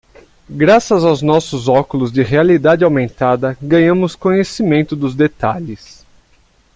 Graças aos nossos óculos de realidade aumentada, ganhamos conhecimento dos detalhes.